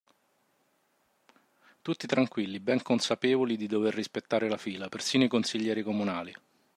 Tutti tranquilli, ben consapevoli di dover rispettare la fila, persino i consiglieri comunali.